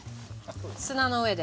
砂の上で。